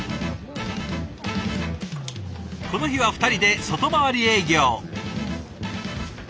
この日は２人で外回り営業。